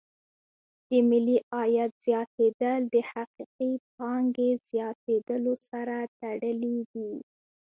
د ملي عاید زیاتېدل د حقیقي پانګې زیاتیدلو سره تړلې دي.